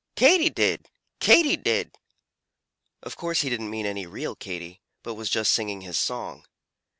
Katy did!! Katy did!!!" Of course he didn't mean any real Katy, but was just singing his song.